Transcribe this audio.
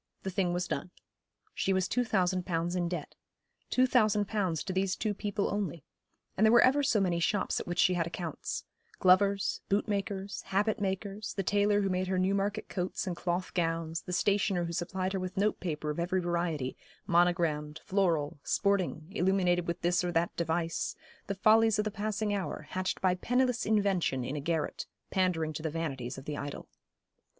The thing was done. She was two thousand pounds in debt two thousand pounds to these two people only and there were ever so many shops at which she had accounts glovers, bootmakers, habit makers, the tailor who made her Newmarket coats and cloth gowns, the stationer who supplied her with note paper of every variety, monogrammed, floral; sporting, illuminated with this or that device, the follies of the passing hour, hatched by penniless Invention in a garret, pandering to the vanities of the idle.